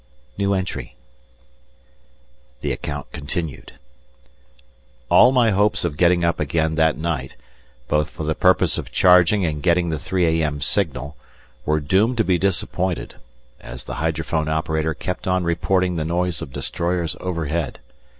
The account continued. All my hopes of getting up again that night, both for the purpose of charging and of getting the 3 a.m. signal, were doomed to be disappointed, as the hydrophone operator kept on reporting the noise of destroyers overhead.